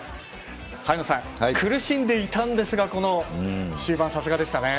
早野さん、苦しんでいたんですが終盤、さすがですね。